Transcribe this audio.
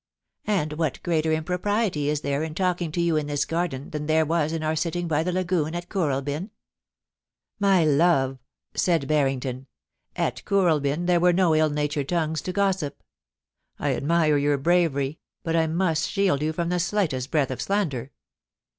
And what greater impropriety is there in talking to you in this garden than there was in our sitting by the lagoon at Kooralbyn ?My love,' said Barrington, * at Kooralbyn there were no ill natured tongues to gossip. ... I admire your bravery, but I must shield you from the slightest breath of slander.'